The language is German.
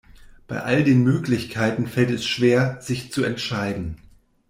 Bei all den Möglichkeiten fällt es schwer, sich zu entscheiden.